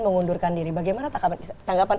mengundurkan diri bagaimana tanggapan